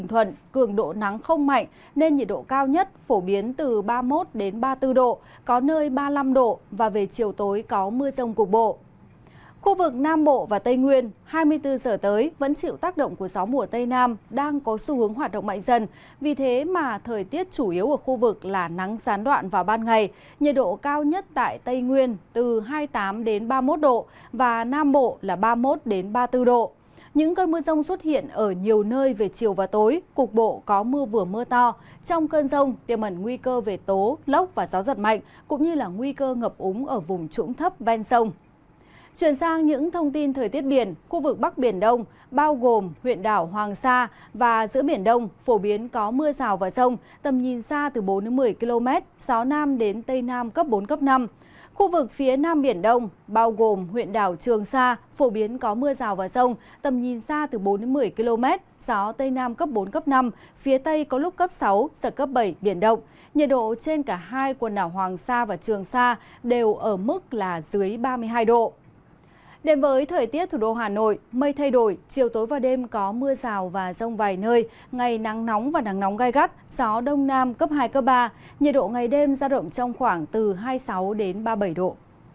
thay đổi chiều tối và đêm có mưa rào và rông vài nơi ngày nắng nóng và nắng nóng gai gắt gió đông nam cấp hai cấp ba nhiệt độ ngày đêm ra động trong khoảng từ hai mươi sáu đến ba mươi bảy độ